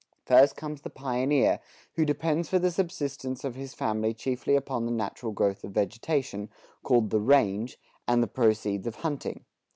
First comes the pioneer, who depends for the subsistence of his family chiefly upon the natural growth of vegetation, called the "range," and the proceeds of hunting.